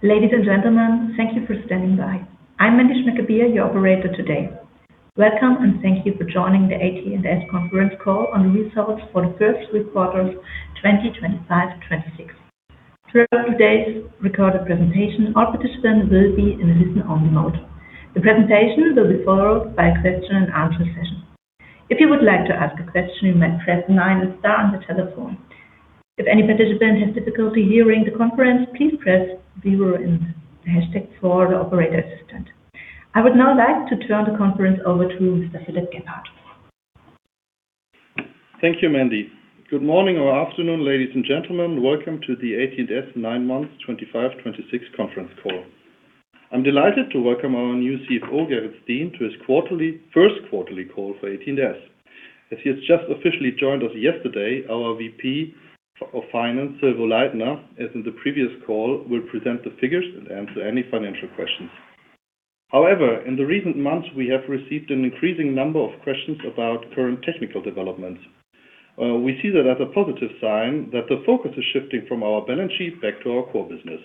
Ladies and gentlemen, thank you for standing by. I'm Mandy Schmeckebecher, your operator today. Welcome, and thank you for joining the AT&S Conference Call on Results for the First Quarters, 2025, 2026. Throughout today's recorded presentation, all participants will be in a listen-only mode. The presentation will be followed by a question and answer session. If you would like to ask a question, you may press nine and star on the telephone. If any participant has difficulty hearing the conference, please press zero and hashtag for the operator assistant. I would now like to turn the conference over to Mr. Philipp Gebhardt. Thank you, Mandy. Good morning or afternoon, ladies and gentlemen. Welcome to the AT&S nine months 2025, 2026 conference call. I'm delighted to welcome our new CFO, Gerrit Steen, to his first quarterly call for AT&S. As he has just officially joined us yesterday, our VP of Finance, Silvo Leitner, as in the previous call, will present the figures and answer any financial questions. However, in the recent months, we have received an increasing number of questions about current technical developments. We see that as a positive sign that the focus is shifting from our balance sheet back to our core business.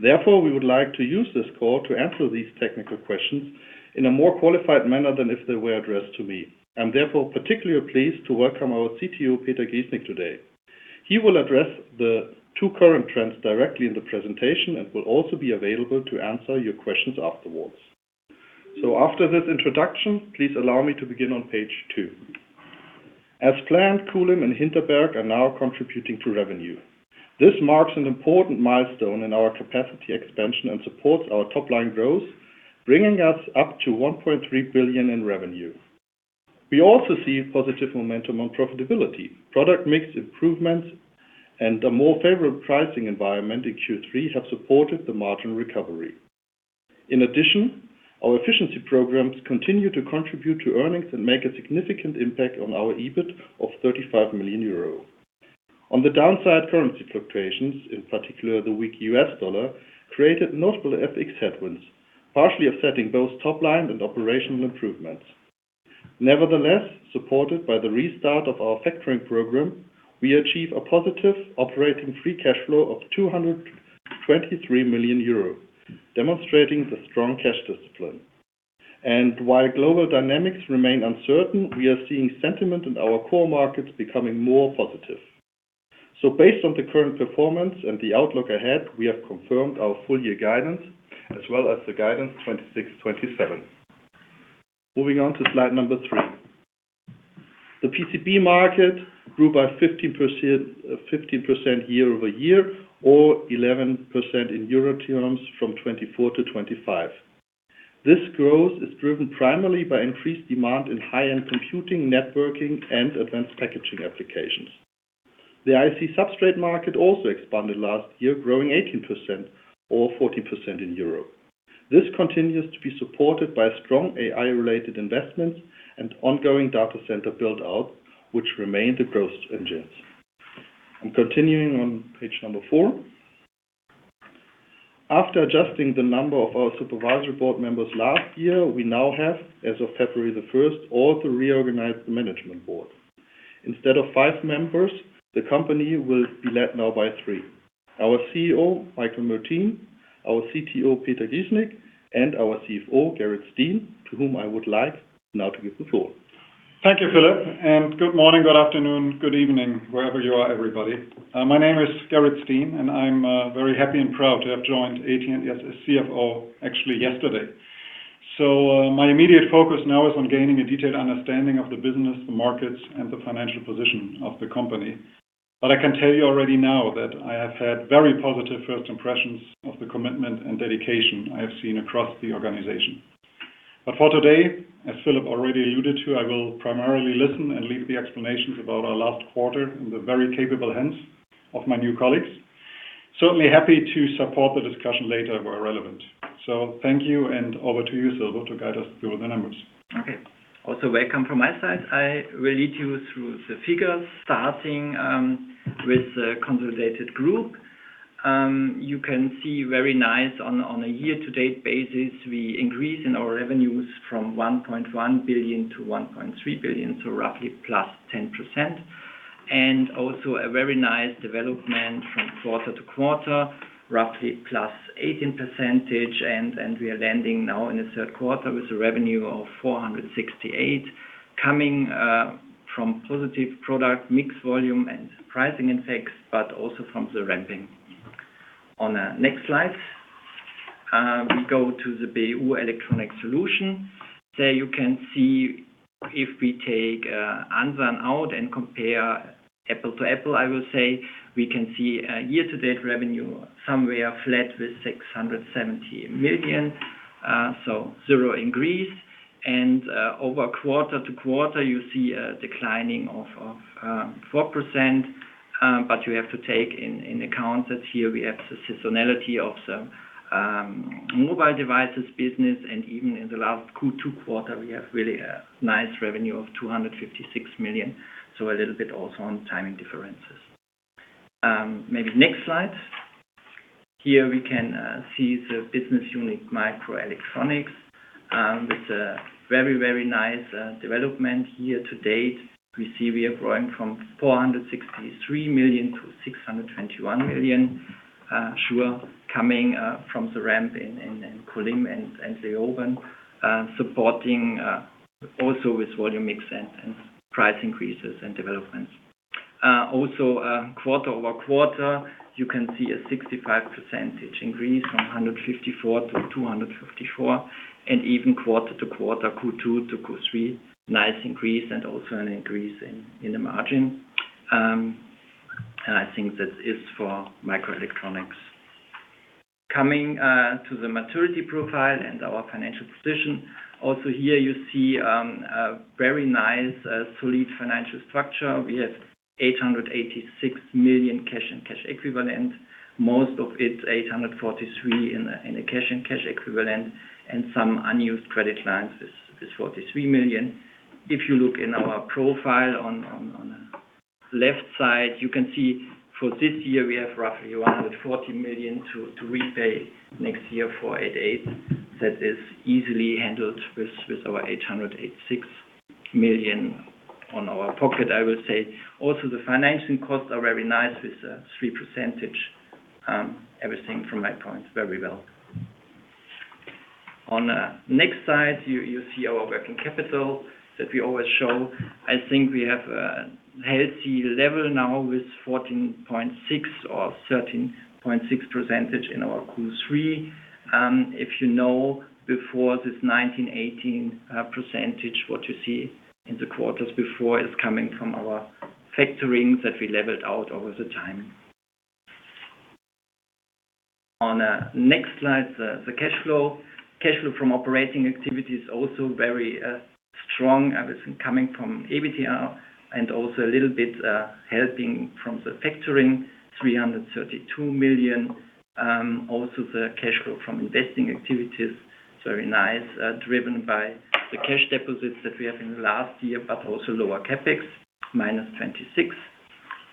Therefore, we would like to use this call to answer these technical questions in a more qualified manner than if they were addressed to me. I'm therefore particularly pleased to welcome our CTO, Peter Griehsnig, today. He will address the two current trends directly in the presentation, and will also be available to answer your questions afterwards. So after this introduction, please allow me to begin on page two. As planned, Kulim and Hinterberg are now contributing to revenue. This marks an important milestone in our capacity expansion and supports our top line growth, bringing us up to 1.3 billion in revenue. We also see positive momentum on profitability, product mix improvements, and a more favorable pricing environment in Q3 have supported the margin recovery. In addition, our efficiency programs continue to contribute to earnings and make a significant impact on our EBIT of 35 million euro. On the downside, currency fluctuations, in particular, the weak US dollar, created notable FX headwinds, partially offsetting both top line and operational improvements. Nevertheless, supported by the restart of our factoring program, we achieve a positive operating free cash flow of 223 million euro, demonstrating the strong cash discipline. While global dynamics remain uncertain, we are seeing sentiment in our core markets becoming more positive. Based on the current performance and the outlook ahead, we have confirmed our full-year guidance, as well as the guidance 2026, 2027. Moving on to slide number three. The PCB market grew by 15%, 15% year-over-year, or 11% in euro terms from 2024 to 2025. This growth is driven primarily by increased demand in high-end computing, networking, and advanced packaging applications. The IC substrate market also expanded last year, growing 18% or 40% in euro. This continues to be supported by strong AI-related investments and ongoing data center build-out, which remain the growth engines. I'm continuing on page number four. After adjusting the number of our supervisory board members last year, we now have, as of February the first, also reorganized the management board. Instead of five members, the company will be led now by three: Our CEO, Michael Mertin, our CTO, Peter Griehsnig, and our CFO, Gerrit Steen, to whom I would like now to give the floor. Thank you, Philipp, and good morning, good afternoon, good evening, wherever you are, everybody. My name is Gerrit Steen, and I'm very happy and proud to have joined AT&S as CFO, actually yesterday. So my immediate focus now is on gaining a detailed understanding of the business, the markets, and the financial position of the company. But I can tell you already now that I have had very positive first impressions of the commitment and dedication I have seen across the organization. But for today, as Philipp already alluded to, I will primarily listen and leave the explanations about our last quarter in the very capable hands of my new colleagues. Certainly happy to support the discussion later, where relevant. So thank you, and over to you, Silvo, to guide us through the numbers. Okay. Also, welcome from my side. I will lead you through the figures, starting with the consolidated group. You can see very nice on, on a year-to-date basis, we increase in our revenues from 1.1 billion to 1.3 billion, so roughly +10%, and also a very nice development from quarter to quarter, roughly plus eighteen percentage. We are landing now in the third quarter with a revenue of 468, coming from positive product mix, volume, and pricing impacts, but also from the ramping. On the next slide, we go to the BU Electronic Solution. There you can see if we take Ansan out and compare apple to apple, I will say, we can see a year-to-date revenue somewhere flat with 670 million, so zero increase. Over quarter-to-quarter, you see a declining of 4%. But you have to take into account that here we have the seasonality of the mobile devices business, and even in the last Q2 quarter, we have really a nice revenue of 256 million, so a little bit also on timing differences. Maybe next slide. Here we can see the business unit, Microelectronics, with a very, very nice development here to date. We see we are growing from 463 million to 621 million, sure, coming from the ramp in Kulim and Leoben, supporting also with volume mix and price increases and developments. Also, quarter over quarter, you can see a 65% increase from 154 to 254, and even quarter to quarter, Q2 to Q3, nice increase and also an increase in the margin. And I think that is for microelectronics. Coming to the maturity profile and our financial position. Also, here you see a very nice solid financial structure. We have 886 million cash and cash equivalent, most of it, 843 in a cash and cash equivalent, and some unused credit lines is 43 million. If you look in our profile on the left side, you can see for this year, we have roughly 140 million to repay next year, 488. That is easily handled with our 808 million in our pocket, I will say. Also, the financing costs are very nice, with 3%. Everything from my point, very well. On next slide, you see our working capital that we always show. I think we have a healthy level now with 14.6% or 13.6% in our Q3. You know, before this 19%-18%, what you see in the quarters before is coming from our factorings that we leveled out over the time. On next slide, the cash flow. Cash flow from operating activities, also very strong, I was coming from EBITDA and also a little bit helping from the factoring, 332 million. Also, the cash flow from investing activities, very nice, driven by the cash deposits that we have in the last year, but also lower CapEx, -26,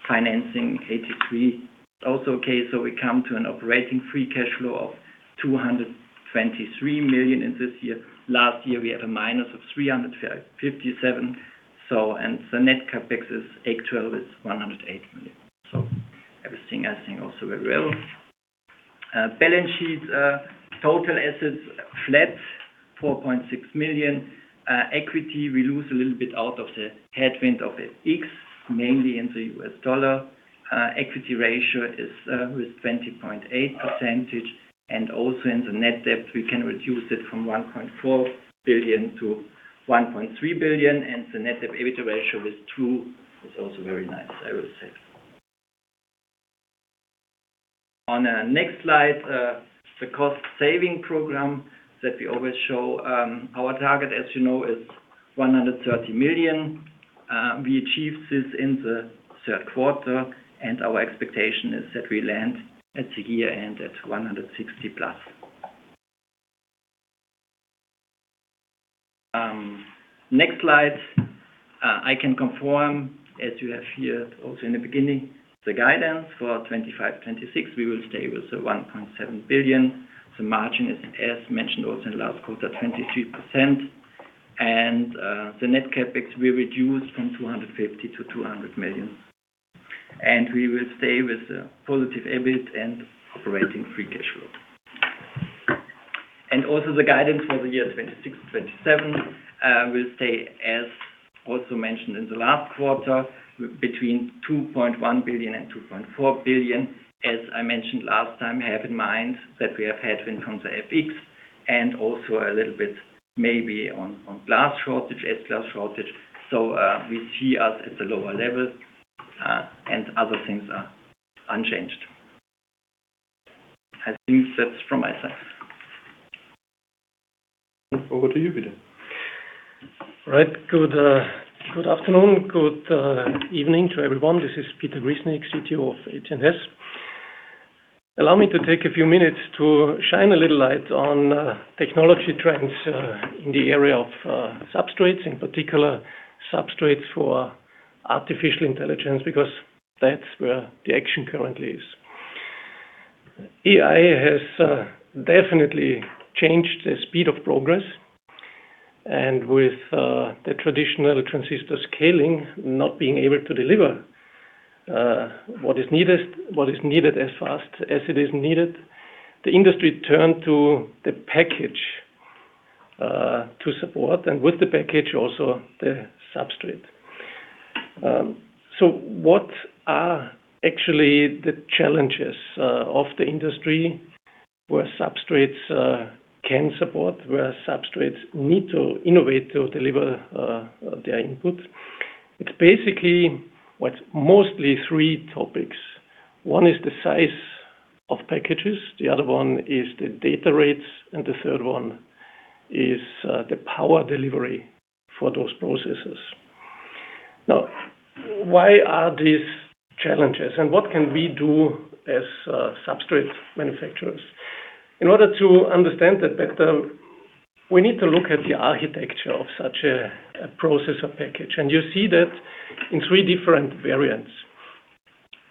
financing, 83. Also, okay, so we come to an operating free cash flow of 223 million in this year. Last year, we had a minus of 357 million. So, and the net CapEx is 812 is 108 million. So everything, I think, also very well. Balance sheet, total assets, flat, 4.6 million. Equity, we lose a little bit out of the headwind of the X, mainly in the U.S. dollar. Equity ratio is with 20.8%, and also in the net debt, we can reduce it from 1.4 billion to 1.3 billion, and the net debt EBITDA ratio is 2, is also very nice, I will say. On next slide, the cost-saving program that we always show. Our target, as you know, is 130 million. We achieved this in the third quarter, and our expectation is that we land at the year-end at 160 million+. Next slide, I can confirm, as you have here, also in the beginning, the guidance for 2025, 2026, we will stay with the 1.7 billion. The margin is, as mentioned, also in the last quarter, 23%. The net CapEx will reduce from 250 million to 200 million, and we will stay with a positive EBIT and operating free cash flow. Also the guidance for the year 2026, 2027 will stay, as also mentioned in the last quarter, between 2.1 billion and 2.4 billion. As I mentioned last time, have in mind that we have had wind from the FX and also a little bit maybe on, on glass shortage, S-glass shortage. So, we see us at a lower level, and other things are unchanged. I think that's from my side. Over to you, Peter. Right. Good afternoon. Good evening to everyone. This is Peter Griehsnig, CTO of AT&S. Allow me to take a few minutes to shine a little light on technology trends in the area of substrates, in particular, substrates for artificial intelligence, because that's where the action currently is. AI has definitely changed the speed of progress, and with the traditional transistor scaling not being able to deliver what is needed, what is needed as fast as it is needed, the industry turned to the package to support, and with the package, also the substrate. So what are actually the challenges of the industry, where substrates can support, where substrates need to innovate to deliver their input? It's basically what's mostly three topics. One is the size of packages, the other one is the data rates, and the third one is the power delivery for those processes. Now, why are these challenges and what can we do as substrate manufacturers? In order to understand that better, we need to look at the architecture of such a processor package, and you see that in three different variants...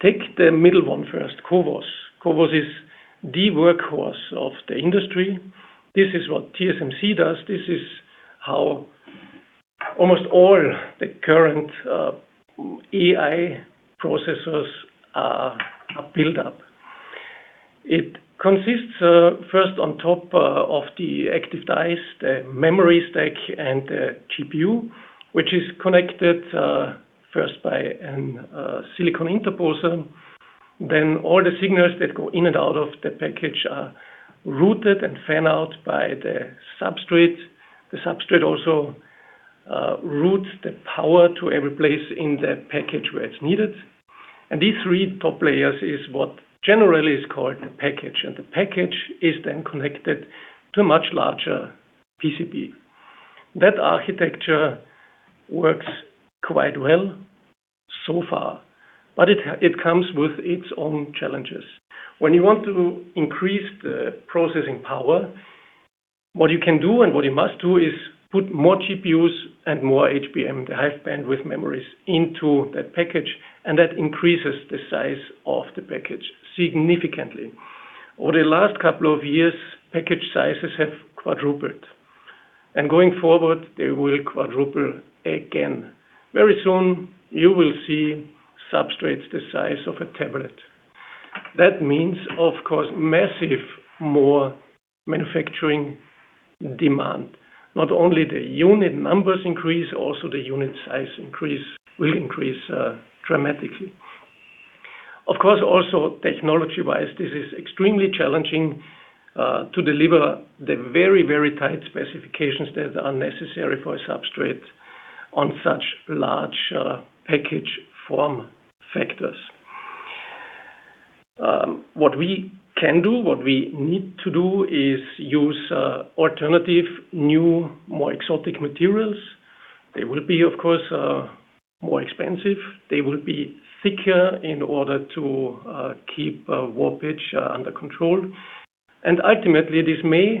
Take the middle one first, CoWoS. CoWoS is the workhorse of the industry. This is what TSMC does. This is how almost all the current AI processors are built up. It consists first on top of the active dice, the memory stack, and the GPU, which is connected first by a silicon interposer. Then all the signals that go in and out of the package are routed and fan out by the substrate. The substrate also routes the power to every place in that package where it's needed. And these three top layers is what generally is called the package, and the package is then connected to a much larger PCB. That architecture works quite well so far, but it comes with its own challenges. When you want to increase the processing power, what you can do and what you must do is put more GPUs and more HBM, the high bandwidth memories, into that package, and that increases the size of the package significantly. Over the last couple of years, package sizes have quadrupled, and going forward, they will quadruple again. Very soon, you will see substrates the size of a tablet. That means, of course, massive more manufacturing demand. Not only the unit numbers increase, also the unit size increase will increase dramatically. Of course, also technology-wise, this is extremely challenging to deliver the very, very tight specifications that are necessary for a substrate on such large package form factors. What we can do, what we need to do, is use alternative, new, more exotic materials. They will be, of course, more expensive. They will be thicker in order to keep warpage under control. And ultimately, this may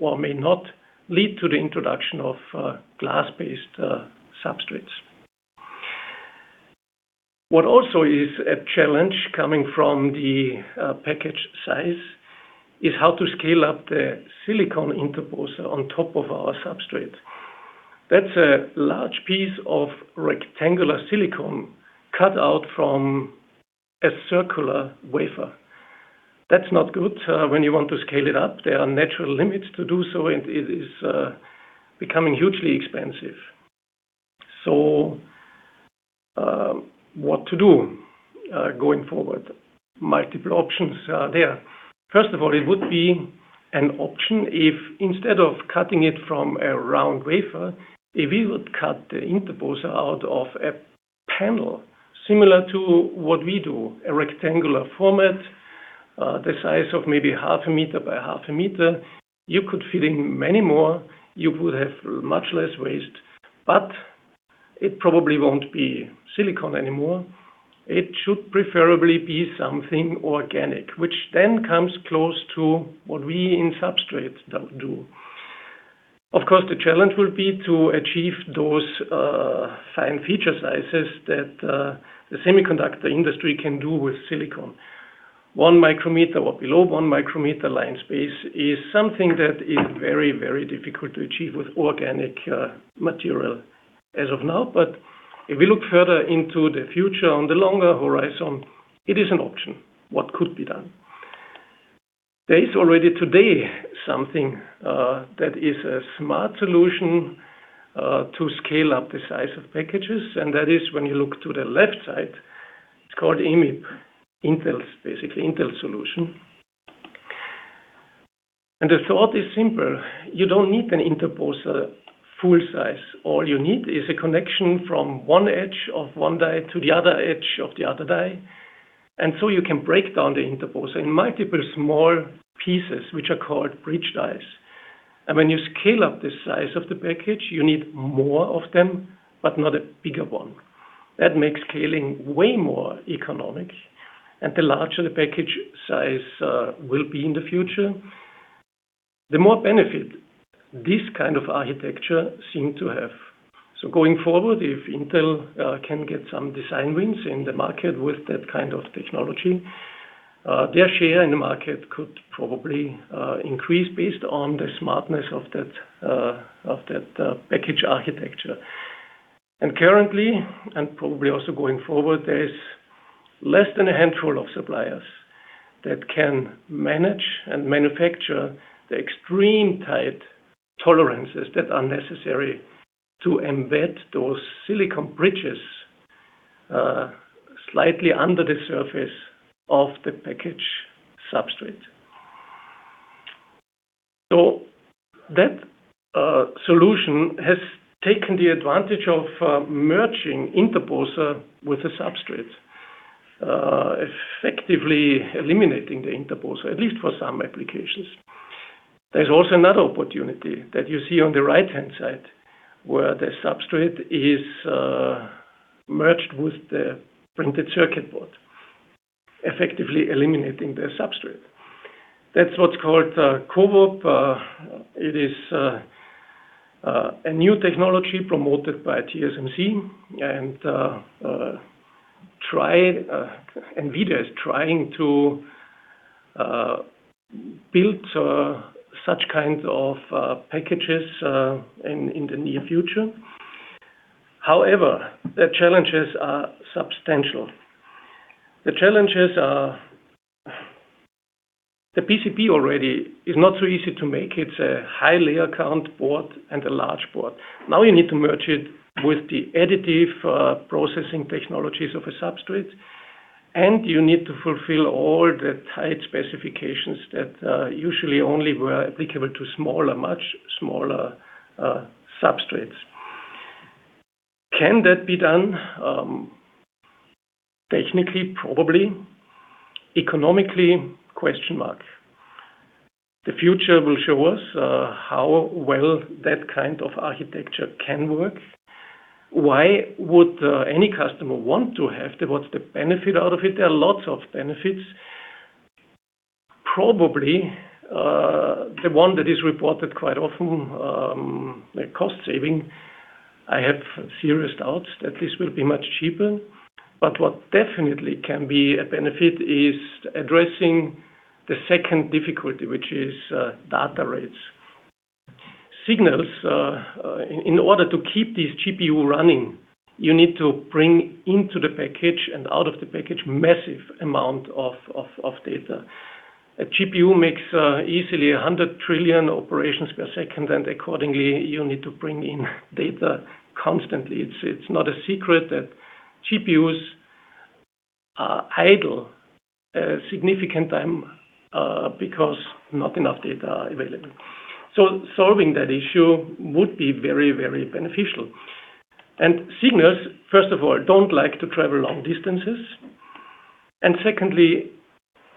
or may not lead to the introduction of glass-based substrates. What also is a challenge coming from the package size is how to scale up the silicon interposer on top of our substrate. That's a large piece of rectangular silicon cut out from a circular wafer. That's not good when you want to scale it up. There are natural limits to do so, and it is becoming hugely expensive. So, what to do going forward? Multiple options are there. First of all, it would be an option if instead of cutting it from a round wafer, if we would cut the interposer out of a panel, similar to what we do, a rectangular format, the size of maybe 0.5 m by 0.5 m, you could fit in many more. You would have much less waste, but it probably won't be silicon anymore. It should preferably be something organic, which then comes close to what we in substrates do. Of course, the challenge will be to achieve those fine feature sizes that the semiconductor industry can do with silicon. 1 micrometer or below 1 micrometer line space is something that is very, very difficult to achieve with organic material as of now. But if we look further into the future on the longer horizon, it is an option, what could be done. There is already today something that is a smart solution to scale up the size of packages, and that is when you look to the left side, it's called EMIB, Intel's basically Intel solution. And the thought is simple: You don't need an interposer full size. All you need is a connection from one edge of one die to the other edge of the other die. And so you can break down the interposer in multiple small pieces, which are called bridge dies. And when you scale up the size of the package, you need more of them, but not a bigger one. That makes scaling way more economic, and the larger the package size will be in the future, the more benefit this kind of architecture seem to have. So going forward, if Intel can get some design wins in the market with that kind of technology, their share in the market could probably increase based on the smartness of that of that package architecture. And currently, and probably also going forward, there is less than a handful of suppliers that can manage and manufacture the extreme tight tolerances that are necessary to embed those silicon bridges slightly under the surface of the package substrate. So that solution has taken the advantage of merging interposer with the substrate effectively eliminating the interposer, at least for some applications. There's also another opportunity that you see on the right-hand side, where the substrate is merged with the printed circuit board, effectively eliminating the substrate. That's what's called CoWoP. It is a new technology promoted by TSMC, and NVIDIA is trying to build such kinds of packages in the near future. However, the challenges are substantial. The challenges are, the PCB already is not so easy to make. It's a high layer count board and a large board. Now you need to merge it with the additive processing technologies of a substrate, and you need to fulfill all the tight specifications that usually only were applicable to smaller, much smaller substrates. Can that be done? Technically, probably. Economically, question mark. The future will show us how well that kind of architecture can work. Why would any customer want to have that? What's the benefit out of it? There are lots of benefits. Probably the one that is reported quite often, the cost saving, I have serious doubts that this will be much cheaper. But what definitely can be a benefit is addressing the second difficulty, which is data rates. Signals in order to keep this GPU running, you need to bring into the package and out of the package, massive amount of data. A GPU makes easily 100 trillion operations per second, and accordingly, you need to bring in data constantly. It's not a secret that GPUs are idle significant time because not enough data are available. So solving that issue would be very, very beneficial. And signals, first of all, don't like to travel long distances, and secondly,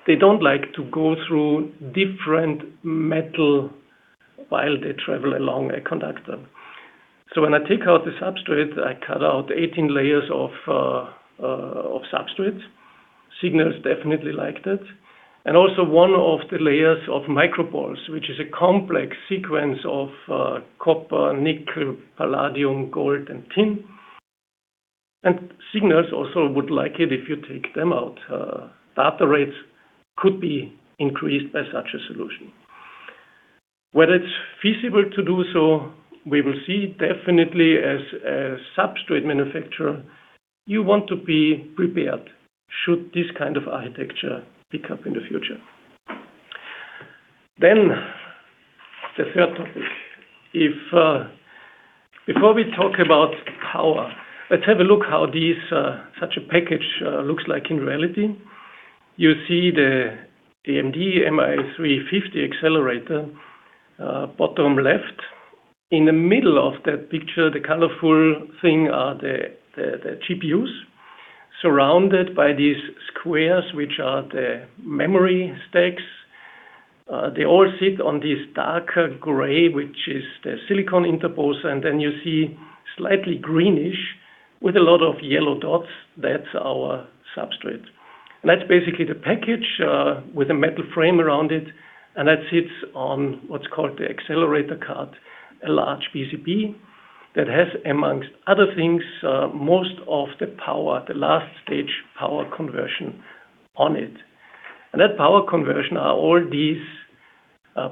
they don't like to go through different metal while they travel along a conductor. So when I take out the substrate, I cut out 18 layers of substrate. Signals definitely like that. And also one of the layers of microballs, which is a complex sequence of copper, nickel, palladium, gold, and tin. And signals also would like it if you take them out. Data rates could be increased by such a solution. Whether it's feasible to do so, we will see. Definitely as a substrate manufacturer, you want to be prepared, should this kind of architecture pick up in the future. Then, the third topic. If... Before we talk about power, let's have a look how these such a package looks like in reality. You see the AMD MI350 accelerator, bottom left. In the middle of that picture, the colorful thing are the GPUs, surrounded by these squares, which are the memory stacks. They all sit on this darker gray, which is the silicon interposer, and then you see slightly greenish with a lot of yellow dots. That's our substrate. And that's basically the package, with a metal frame around it, and that sits on what's called the accelerator card, a large PCB that has, amongst other things, most of the power, the last stage power conversion on it. And that power conversion are all these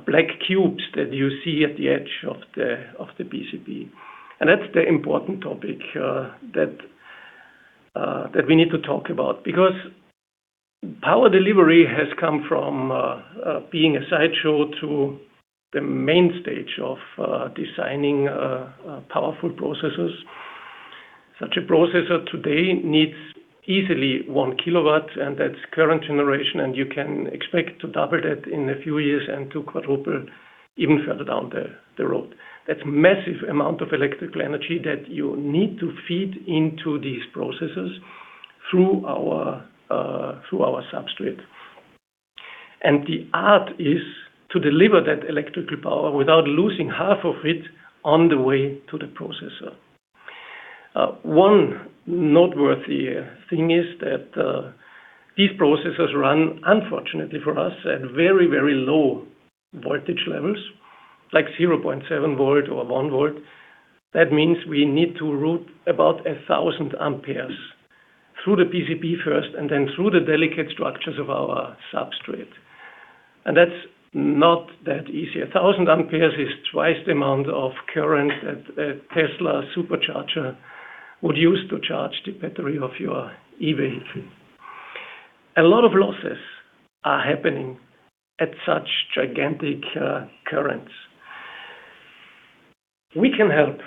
black cubes that you see at the edge of the PCB. That's the important topic that we need to talk about, because power delivery has come from being a sideshow to the main stage of designing powerful processors. Such a processor today needs easily 1 kilowatt, and that's current generation, and you can expect to double that in a few years and to quadruple even further down the road. That's massive amount of electrical energy that you need to feed into these processors through our substrate. And the art is to deliver that electrical power without losing half of it on the way to the processor. One noteworthy thing is that these processors run, unfortunately for us, at very, very low voltage levels, like 0.7 volt or 1 volt. That means we need to route about 1000 amperes through the PCB first and then through the delicate structures of our substrate. That's not that easy. 1000 amperes is twice the amount of current that a Tesla Supercharger would use to charge the battery of your EV. A lot of losses are happening at such gigantic currents. We can help.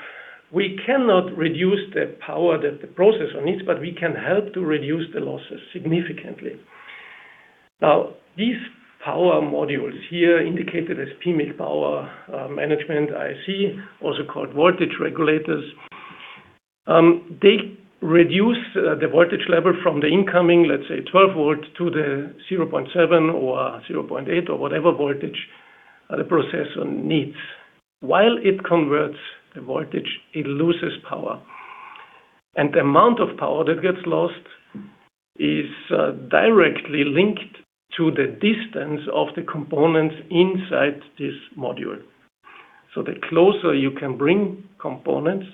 We cannot reduce the power that the processor needs, but we can help to reduce the losses significantly. Now, these power modules here, indicated as PMIC power management IC, also called voltage regulators, they reduce the voltage level from the incoming, let's say, 12-volt to the 0.7 or 0.8 or whatever voltage the processor needs. While it converts the voltage, it loses power. And the amount of power that gets lost is directly linked to the distance of the components inside this module. So the closer you can bring components,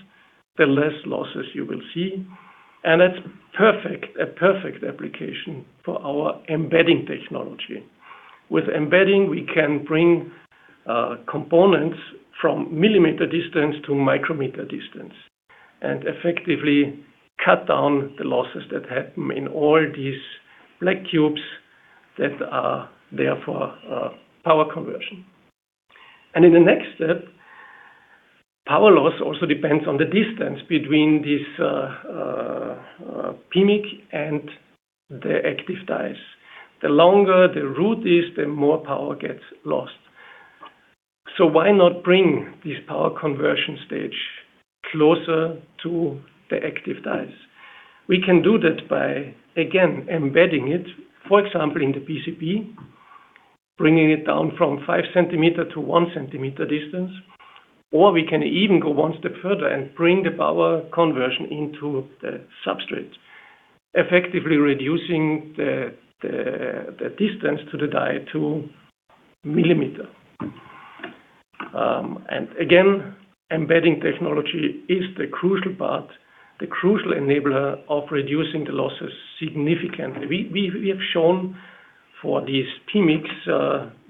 the less losses you will see, and it's perfect, a perfect application for our embedding technology. With embedding, we can bring components from millimeter distance to micrometer distance, and effectively cut down the losses that happen in all these black cubes that are there for power conversion. And in the next step, power loss also depends on the distance between this PMIC and the active dies. The longer the route is, the more power gets lost. So why not bring this power conversion stage closer to the active dies? We can do that by, again, embedding it, for example, in the PCB, bringing it down from 5 cm to 1 cm distance, or we can even go one step further and bring the power conversion into the substrate, effectively reducing the distance to the die to millimeters. And again, embedding technology is the crucial part, the crucial enabler of reducing the losses significantly. We have shown for these PMICs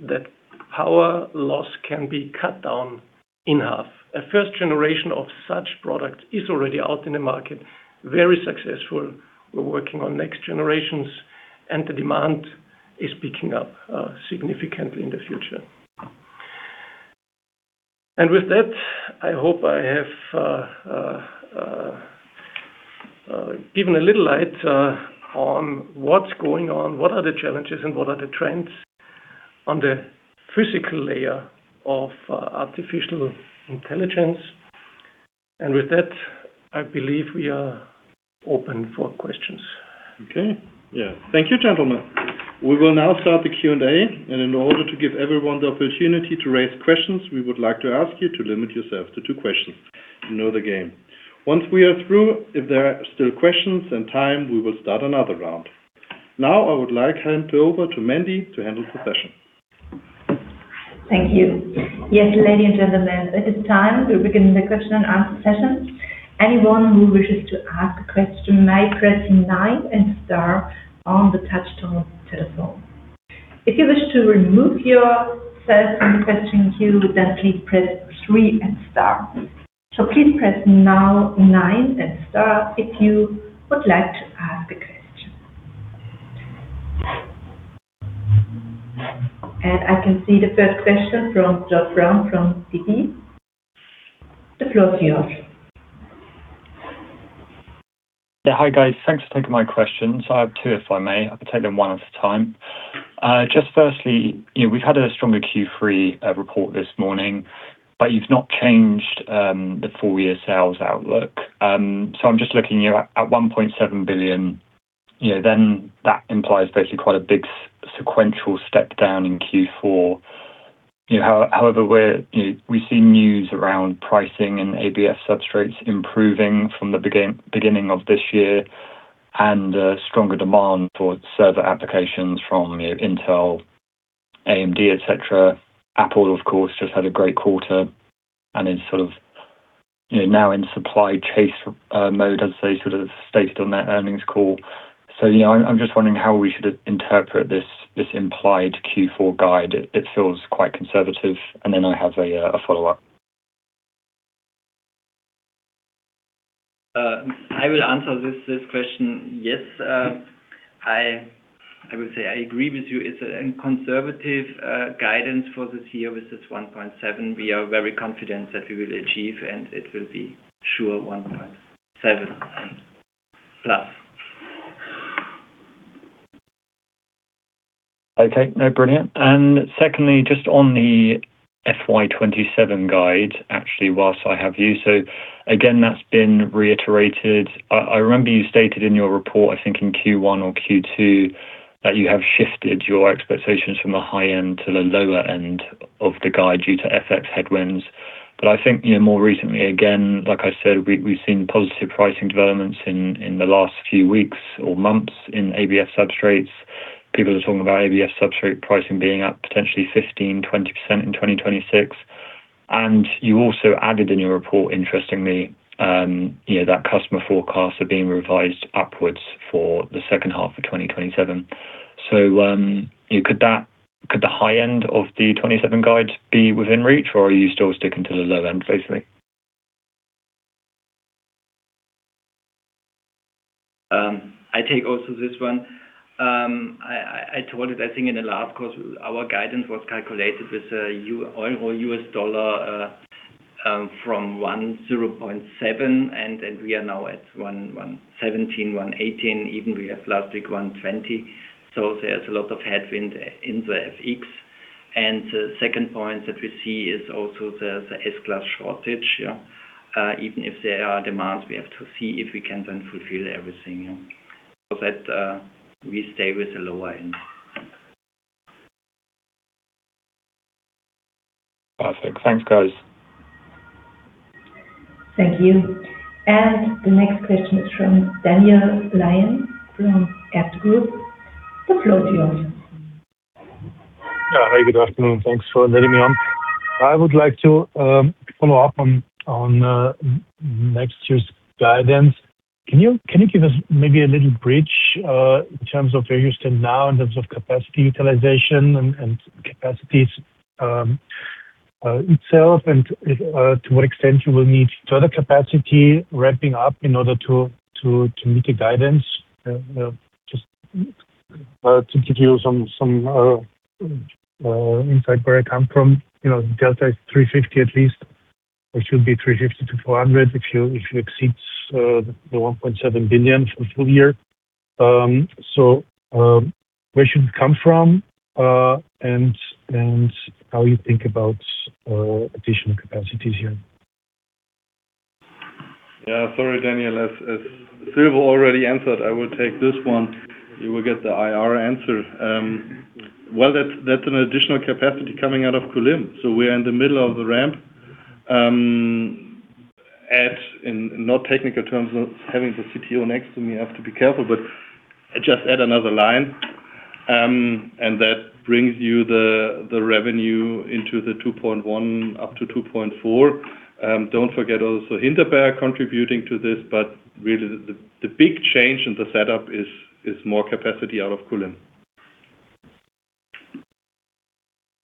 that power loss can be cut down in half. A first generation of such product is already out in the market, very successful. We're working on next generations, and the demand is picking up significantly in the future. With that, I hope I have given a little light on what's going on, what are the challenges, and what are the trends on the physical layer of artificial intelligence. With that, I believe we are open for questions. Okay. Yeah. Thank you, gentlemen. We will now start the Q&A, and in order to give everyone the opportunity to raise questions, we would like to ask you to limit yourself to two questions. You know the game. Once we are through, if there are still questions and time, we will start another round. Now, I would like to hand over to Mandy to handle the session. Thank you. Yes, ladies and gentlemen, it is time we begin the question and answer session. Anyone who wishes to ask a question may press nine and star on the touchtone telephone. If you wish to remove yourself from the questioning queue, then please press three and star. So please press now nine and star if you would like to ask a question. And I can see the first question from John Brown, from Citi. The floor is yours. Yeah. Hi, guys. Thanks for taking my questions. I have two, if I may. I can take them one at a time. Just firstly, you know, we've had a stronger Q3 report this morning, but you've not changed the full year sales outlook. So I'm just looking at 1.7 billion, you know, then that implies basically quite a big sequential step down in Q4. You know, however, we're, you know, we've seen news around pricing and ABF substrates improving from the beginning of this year and stronger demand for server applications from, you know, Intel, AMD, et cetera. Apple, of course, just had a great quarter and is sort of, you know, now in supply chase mode, as they sort of stated on their earnings call. You know, I'm just wondering how we should interpret this implied Q4 guide. It feels quite conservative, and then I have a follow-up. I will answer this, this question. Yes, I, I would say I agree with you. It's a conservative guidance for this year with this 1.7. We are very confident that we will achieve, and it will be sure 1.7+. Okay. No, brilliant. And secondly, just on the FY 2027 guide, actually, whilst I have you, so again, that's been reiterated. I remember you stated in your report, I think in Q1 or Q2, that you have shifted your expectations from the high end to the lower end of the guide due to FX headwinds. But I think, you know, more recently, again, like I said, we've seen positive pricing developments in the last few weeks or months in ABF substrates. People are talking about ABF substrate pricing being up potentially 15%-20% in 2026. And you also added in your report, interestingly, you know, that customer forecasts are being revised upwards for the second half of 2027. You know, could the high end of the 2027 guide be within reach, or are you still sticking to the low end, basically? I take also this one. I told it, I think in the last quarter, our guidance was calculated with euro or US dollar from 1.07, and we are now at 1.17, 1.18, even we have last week 1.20. So there's a lot of headwind in the FX. And the second point that we see is also the S-glass shortage here. Even if there are demands, we have to see if we can then fulfill everything, you know, so that we stay with the lower end. Perfect. Thanks, guys. Thank you. The next question is from Daniel Lion from Erste Group. The floor is yours. Hi, good afternoon. Thanks for letting me on. I would like to follow up on next year's guidance. Can you give us maybe a little bridge in terms of where you stand now, in terms of capacity, utilization, and capacities itself, and to what extent you will need to other capacity ramping up in order to meet the guidance? Just to give you some insight where I come from, you know, Delta is 350 at least, or should be 350-400 if you exceeds the 1.7 billion for full year. So, where should it come from, and how you think about additional capacities here? Yeah. Sorry, Daniel, as Silvo already answered, I will take this one. You will get the IR answer. Well, that's an additional capacity coming out of Kulim. So we are in the middle of the ramp, in not technical terms, of having the CTO next to me, I have to be careful, but just add another line, and that brings you the revenue into the 2.1, up to 2.4. Don't forget also Hinterberg contributing to this, but really, the big change in the setup is more capacity out of Kulim.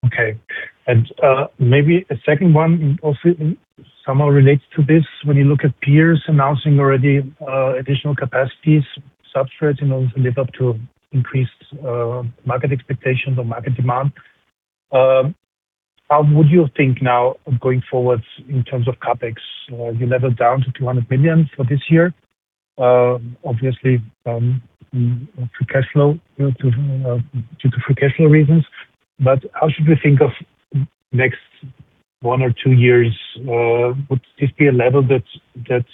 Okay. And maybe a second one also somehow relates to this. When you look at peers announcing already additional capacities, substrates, you know, to live up to increased market expectations or market demand, how would you think now going forward in terms of CapEx? You level down to 200 million for this year. Obviously, free cash flow, due to free cash flow reasons, but how should we think of next one or two years? Would this be a level that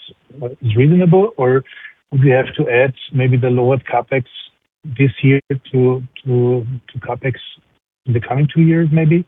is reasonable, or would we have to add maybe the lower CapEx this year to CapEx in the coming two years, maybe?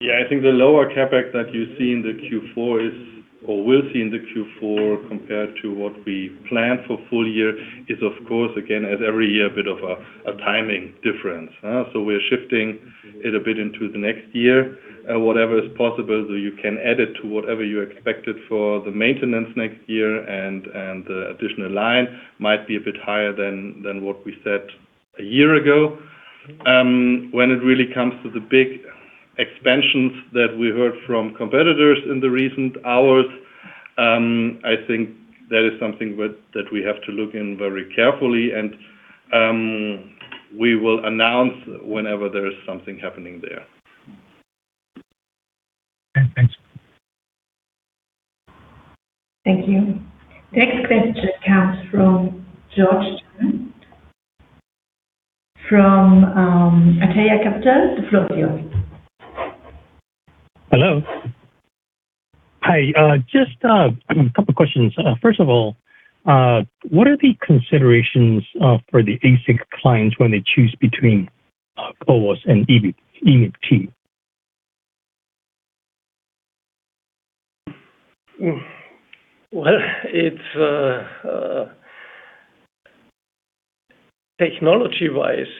Yeah, I think the lower CapEx that you see in the Q4, or will see in the Q4, compared to what we planned for full year, is, of course, again, as every year, a bit of a timing difference. So we're shifting it a bit into the next year. Whatever is possible, so you can add it to whatever you expected for the maintenance next year, and the additional line might be a bit higher than what we said a year ago. When it really comes to the big expansions that we heard from competitors in the recent hours, I think that is something that we have to look in very carefully, and we will announce whenever there is something happening there. Okay, thanks. Thank you. Next question comes from George Chang, from Aletheia Capital. The floor is yours. Hello. Hi, just a couple of questions. First of all, what are the considerations for the ASIC clients when they choose between CoWoS and EMIB, EMIB T? Well, it's technology-wise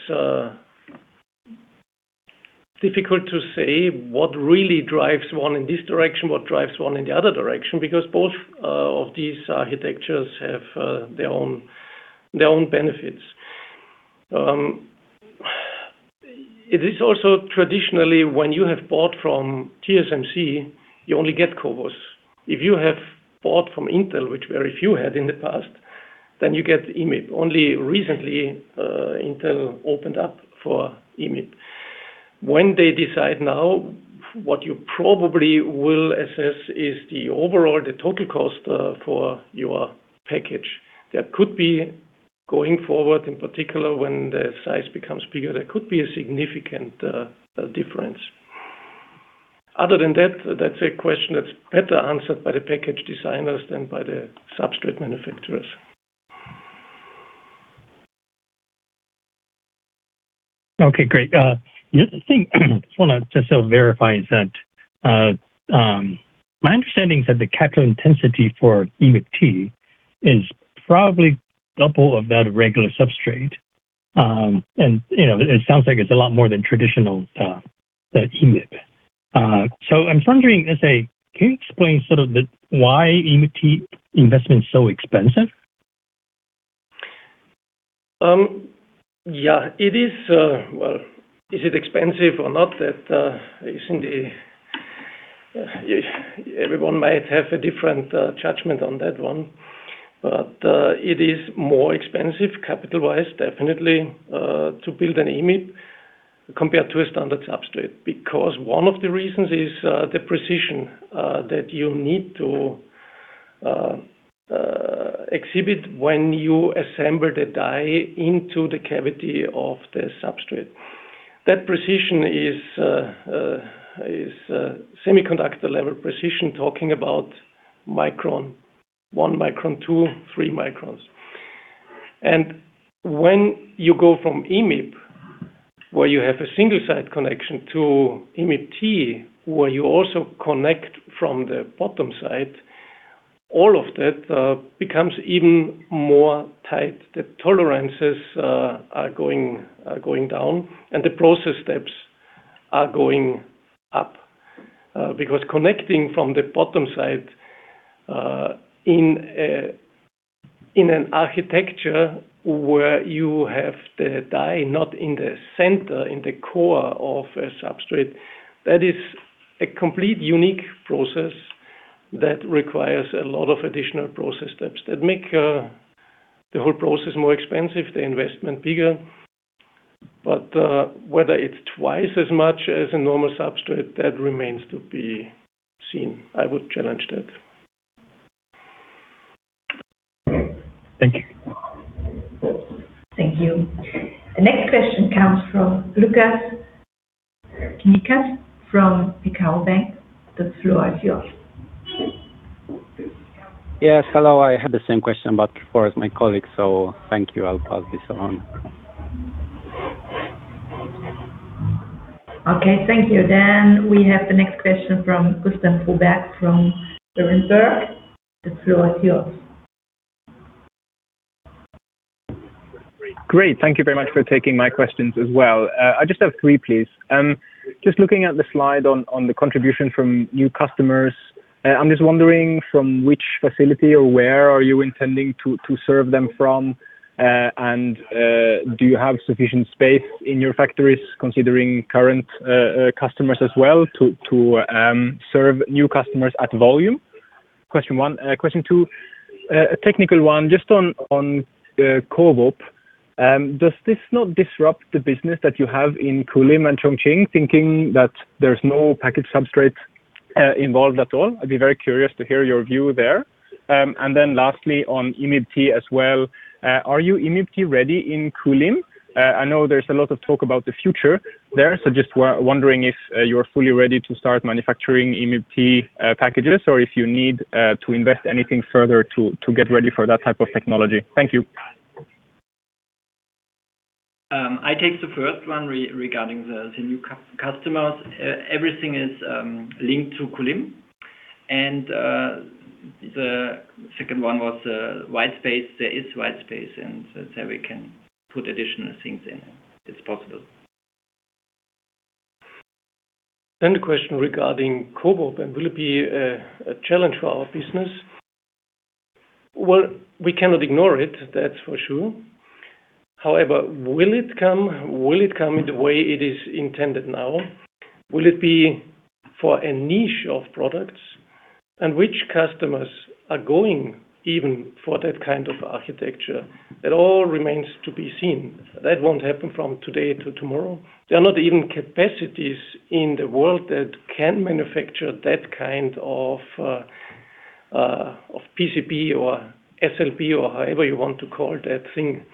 difficult to say what really drives one in this direction, what drives one in the other direction, because both of these architectures have their own, their own benefits. It is also traditionally, when you have bought from TSMC, you only get CoWoS. If you have bought from Intel, which very few had in the past, then you get EMIB. Only recently, Intel opened up for EMIB. When they decide now, what you probably will assess is the overall, the total cost for your package. That could be going forward, in particular, when the size becomes bigger, there could be a significant difference. Other than that, that's a question that's better answered by the package designers than by the substrate manufacturers. Okay, great. The other thing, I just want to just verify is that my understanding is that the capital intensity for EMIB T is probably double of that regular substrate. And, you know, it sounds like it's a lot more than traditional the EMIB. So I'm wondering, can you explain sort of the why EMIB T investment is so expensive? Yeah, it is. Well, is it expensive or not? That is in the, everyone might have a different judgment on that one, but it is more expensive, capital-wise, definitely, to build an EMIB compared to a standard substrate, because one of the reasons is the precision that you need to exhibit when you assemble the die into the cavity of the substrate. That precision is semiconductor-level precision, talking about micron, 1 micron, 2, 3 microns. And when you go from EMIB, where you have a single side connection to EMIB-T, where you also connect from the bottom side, all of that becomes even more tight. The tolerances are going down, and the process steps are going up. Because connecting from the bottom side, in a, in an architecture where you have the die, not in the center, in the core of a substrate, that is a complete unique process that requires a lot of additional process steps that make the whole process more expensive, the investment bigger. But, whether it's twice as much as a normal substrate, that remains to be seen. I would challenge that. Thank you. Thank you. The next question comes from Lucas Nikas from Mizuho Bank. The floor is yours. Yes, hello. I had the same question, but as for my colleague, so thank you. I'll pass this on. Okay, thank you. Then we have the next question from Gustav Froberg from Berenberg. The floor is yours. Great. Thank you very much for taking my questions as well. I just have three, please. Just looking at the slide on the contribution from new customers, I'm just wondering from which facility or where are you intending to serve them from? And do you have sufficient space in your factories considering current customers as well, to serve new customers at volume? Question one. Question two, a technical one, just on CoWoP. Does this not disrupt the business that you have in Kulim and Chongqing, thinking that there's no package substrate involved at all? I'd be very curious to hear your view there. And then lastly, on EMIB-T as well, are you EMIB-T ready in Kulim? I know there's a lot of talk about the future there, so just wondering if you're fully ready to start manufacturing EMIB-T packages, or if you need to invest anything further to get ready for that type of technology. Thank you. I take the first one regarding the new customers. Everything is linked to Kulim. The second one was white space. There is white space, and so there we can put additional things in. It's possible. Then the question regarding CoWoP, and will it be a challenge for our business? Well, we cannot ignore it, that's for sure. However, will it come? Will it come in the way it is intended now? Will it be for a niche of products? And which customers are going even for that kind of architecture? It all remains to be seen. That won't happen from today to tomorrow. There are not even capacities in the world that can manufacture that kind of PCB or SLP or however you want to call that thing.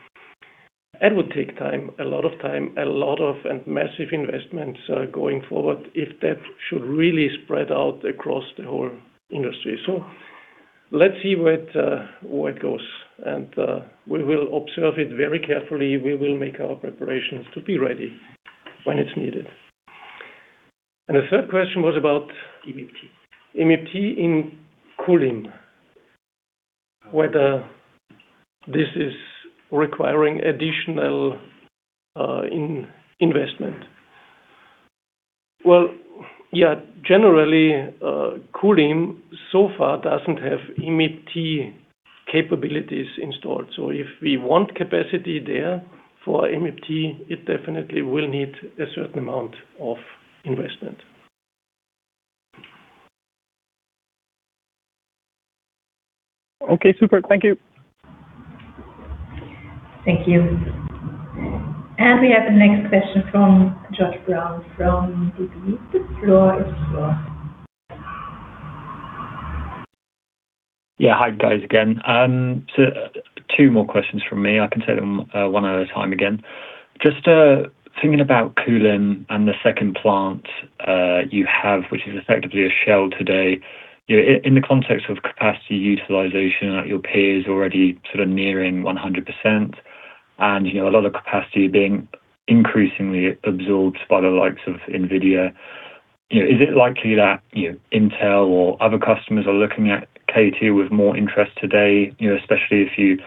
That would take time, a lot of time and massive investments going forward, if that should really spread out across the whole industry. So let's see where it goes, and we will observe it very carefully. We will make our preparations to be ready when it's needed. The third question was about- EMIB-T. EMIB-T in Kulim, whether this is requiring additional, in investment. Well, yeah, generally, Kulim so far doesn't have EMIB-T capabilities installed. So if we want capacity there for EMIB-T, it definitely will need a certain amount of investment. Okay, super. Thank you. Thank you. We have the next question from George Brown from Citi. The floor is yours. Yeah. Hi, guys, again. So two more questions from me. I can take them one at a time again. Just thinking about Kulim and the second plant you have, which is effectively a shell today. In the context of capacity utilization at your peers, already sort of nearing 100%, and, you know, a lot of capacity being increasingly absorbed by the likes of NVIDIA, you know, is it likely that, you know, Intel or other customers are looking at K2 with more interest today? You know, especially if you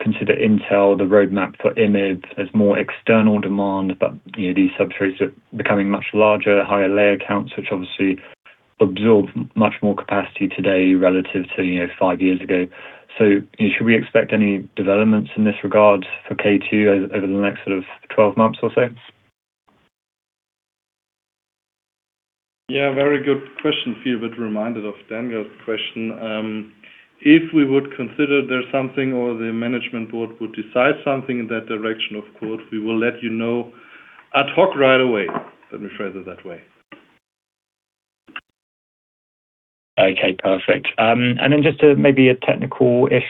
consider Intel, the roadmap for EMIB as more external demand, but, you know, these substrates are becoming much larger, higher layer counts, which obviously absorb much more capacity today relative to, you know, five years ago. Should we expect any developments in this regard for K2 over the next sort of 12 months or so? Yeah, very good question. Feel a bit reminded of Daniel's question. If we would consider there's something or the management board would decide something in that direction, of course, we will let you know ad hoc right away. Let me phrase it that way. Okay, perfect. And then just maybe a technical-ish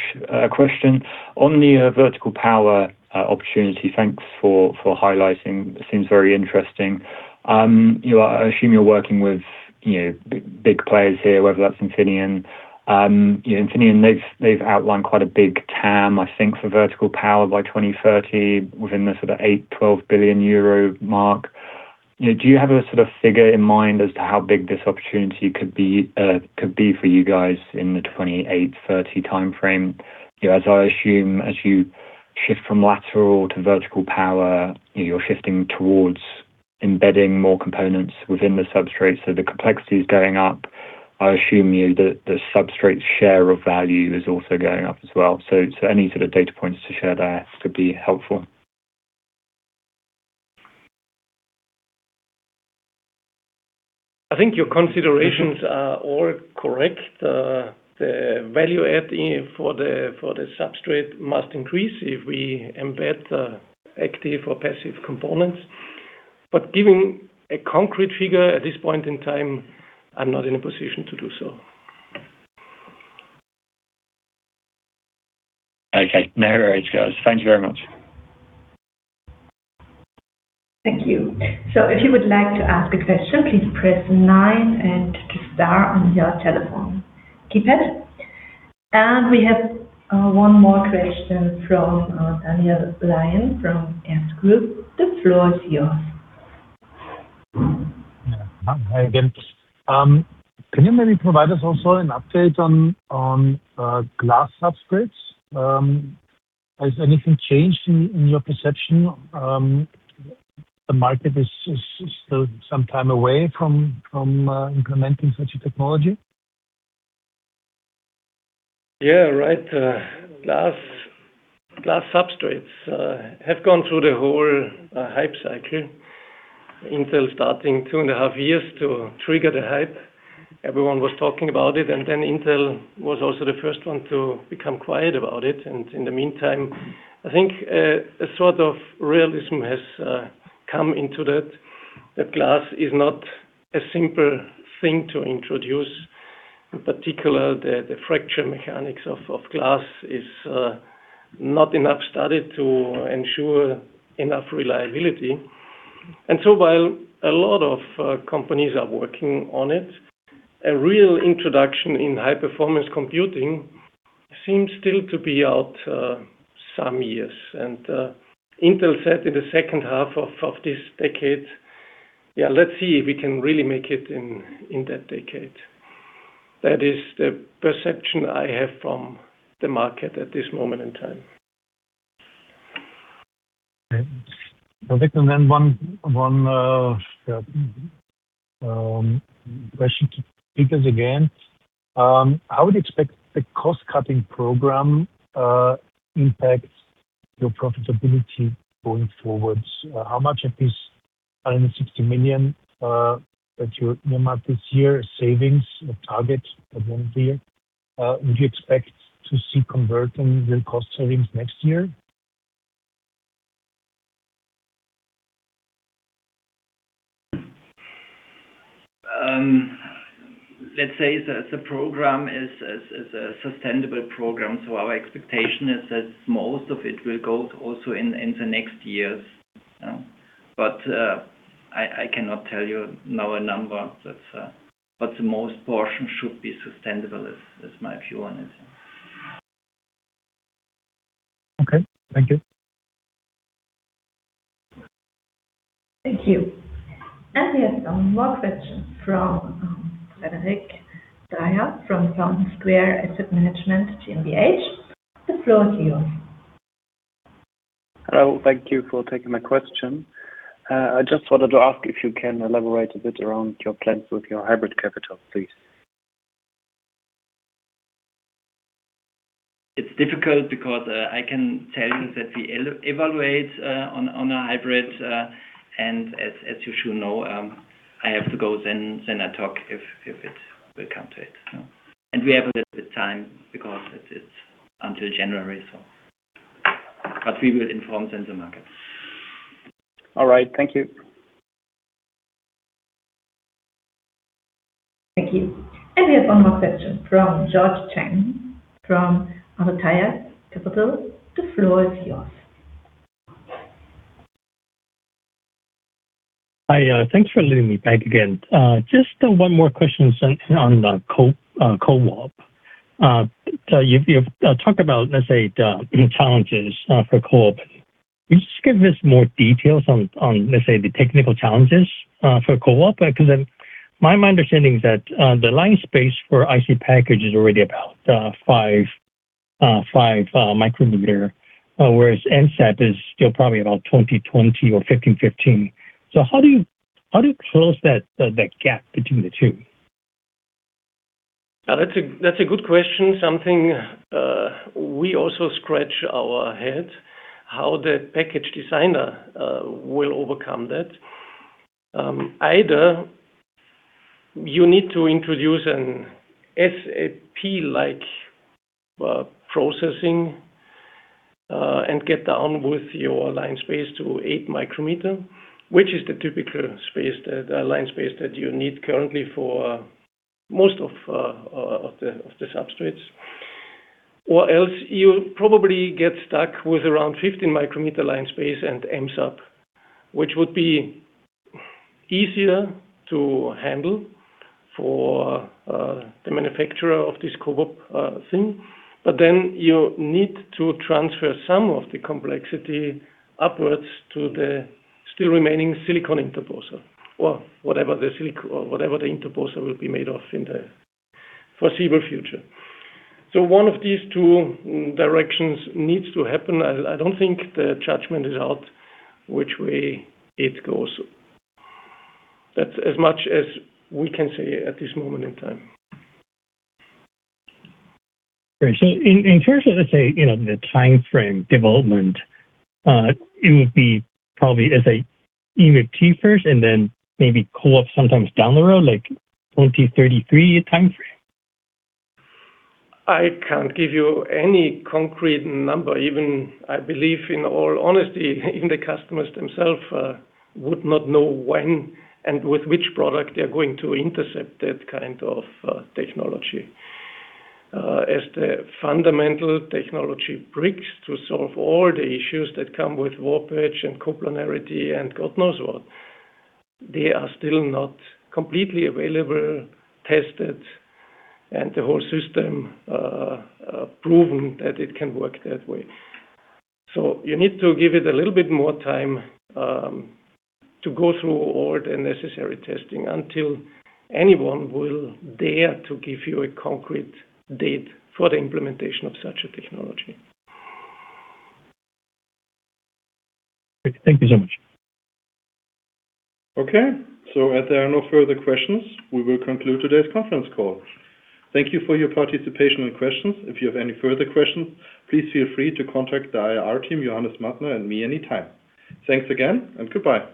question. On the vertical power opportunity, thanks for highlighting. It seems very interesting. I assume you're working with, you know, big, big players here, whether that's Infineon. Yeah, Infineon, they've, they've outlined quite a big TAM, I think, for vertical power by 2030, within the sort of 8-12 billion euro mark. You know, do you have a sort of figure in mind as to how big this opportunity could be, could be for you guys in the 2028-2030 timeframe? You know, as I assume, as you shift from lateral to vertical power, you know, you're shifting towards embedding more components within the substrate, so the complexity is going up. I assume you, the, the substrate share of value is also going up as well. So, so any sort of data points to share there could be helpful. I think your considerations are all correct. The value adding for the substrate must increase if we embed active or passive components. But giving a concrete figure at this point in time, I'm not in a position to do so. Okay. No worries, guys. Thank you very much. Thank you. So if you would like to ask a question, please press nine and star on your telephone keypad. We have one more question from Daniel Lion from Erste Group. The floor is yours. Yeah. Hi again. Can you maybe provide us also an update on glass substrates? Has anything changed in your perception? The market is still some time away from implementing such a technology? Yeah, right. Glass, glass substrates have gone through the whole hype cycle. Intel starting 2.5 years to trigger the hype. Everyone was talking about it, and then Intel was also the first one to become quiet about it. And in the meantime, I think a sort of realism has come into that, that glass is not a simple thing to introduce. In particular, the fracture mechanics of glass is not enough studied to ensure enough reliability. And so while a lot of companies are working on it, a real introduction in high-performance computing seems still to be out some years. And Intel said in the second half of this decade. Yeah, let's see if we can really make it in that decade. That is the perception I have from the market at this moment in time. Thanks. Perfect, and then a question to speakers again. How would you expect the cost-cutting program impact your profitability going forwards? How much of this 160 million that you mark this year, savings target that won't be? Would you expect to see converting the cost savings next year? Let's say the program is a sustainable program, so our expectation is that most of it will go also in the next years. But I cannot tell you now a number. That's but the most portion should be sustainable, is my view on it. Okay. Thank you. Thank you. We have some more questions from Frederick Dyer, from Town Square Asset Management. The floor is yours. Hello, thank you for taking my question. I just wanted to ask if you can elaborate a bit around your plans with your hybrid capital, please. It's difficult because I can tell you that we evaluate on a hybrid, and as you should know, I have to go then. I talk if it will come to it. And we have a little bit time because it's until January, so. But we will inform then the market. All right. Thank you. Thank you. We have one more question from George Chang, from Aletheia Capital. The floor is yours. Hi, thanks for letting me back again. Just one more question on the CoWoP. So you've talked about, let's say, the challenges for CoWoP. Can you just give us more details on, let's say, the technical challenges for CoWoP? Because then my understanding is that the line space for IC package is already about 5 micrometer, whereas mSAP is still probably about 20/20 or 15/15. So how do you close that gap between the two? That's a good question. Something we also scratch our head, how the package designer will overcome that. Either you need to introduce an SAP-like processing, and get down with your line space to 8 micrometer, which is the typical space that line space that you need currently for most of, of the, of the substrates... or else you'll probably get stuck with around 15 micrometer line space and mSAP, which would be easier to handle for the manufacturer of this CoWoS thing. But then you need to transfer some of the complexity upwards to the still remaining silicon interposer, or whatever the interposer will be made of in the foreseeable future. So one of these two directions needs to happen. I don't think the judgment is out, which way it goes. That's as much as we can say at this moment in time. Great. So in terms of, let's say, you know, the timeframe development, it would be probably as an EMIB-T first, and then maybe CoWoS sometime down the road, like 2033 timeframe? I can't give you any concrete number. Even I believe, in all honesty, even the customers themselves would not know when and with which product they are going to intercept that kind of technology. As the fundamental technology bricks to solve all the issues that come with warpage and coplanarity, and God knows what, they are still not completely available, tested, and the whole system proven that it can work that way. So you need to give it a little bit more time to go through all the necessary testing until anyone will dare to give you a concrete date for the implementation of such a technology. Thank you so much. Okay, so as there are no further questions, we will conclude today's conference call. Thank you for your participation and questions. If you have any further questions, please feel free to contact the IR team, Johannes Mattner, and me anytime. Thanks again, and goodbye.